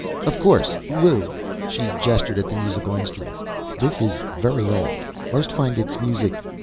"Of course ... Lew." She gestured at the musical instrument. "This is very old. Most find its music